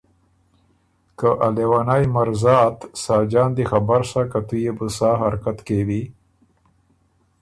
که ا لېوَنئ مرزا ت ساجان دی خبر سۀ که تُو يې بو سا حرکت کېوی۔